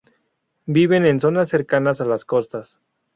Viven en zonas cercanas a las costas.